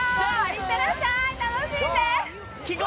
いってらっしゃい、楽しんで。